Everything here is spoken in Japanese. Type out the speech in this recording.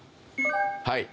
はい。